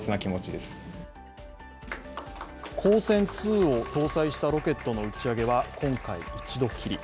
「ＫＯＳＥＮー２」を搭載したロケットの打ち上げは今回一度きり。